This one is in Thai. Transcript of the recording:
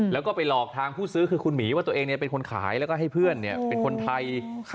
แล้วก็ไปหลอกทางผู้ซื้อคือคุณหมีว่าตัวเองเป็นคนขายแล้วก็ให้เพื่อนเป็นคนไทย